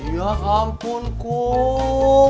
ya kampun kum